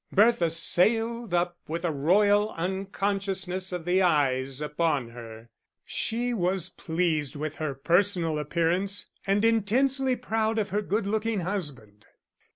Bertha sailed up with a royal unconsciousness of the eyes upon her; she was pleased with her personal appearance, and intensely proud of her good looking husband.